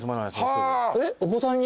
えっお子さんに？